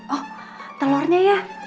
oh telurnya ya